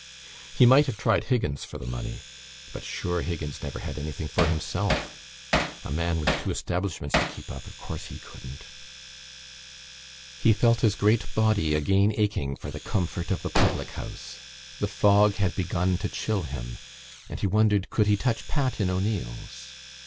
He might have tried Higgins for the money, but sure Higgins never had anything for himself. A man with two establishments to keep up, of course he couldn't.... He felt his great body again aching for the comfort of the public house. The fog had begun to chill him and he wondered could he touch Pat in O'Neill's.